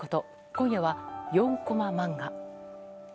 今夜は４コマ漫画。